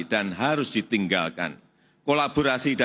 dan harus diruntuhkan sehingga karya karya baru dapat diciptakan bersama sama